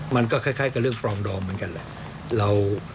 มันก็คล้ายกับเรื่องปลองดองเหมือนกันแหละ